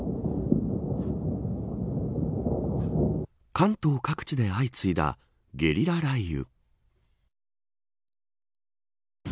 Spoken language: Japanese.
関東各地で相次いだゲリラ雷雨。